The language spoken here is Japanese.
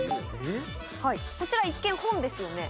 はいこちら一見本ですよね。